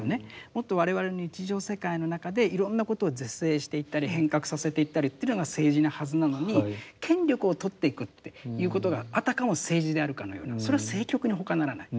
もっと我々の日常世界の中でいろんなことを是正していったり変革させていったりというのが政治なはずなのに権力を取っていくっていうことがあたかも政治であるかのようなそれは政局にほかならない。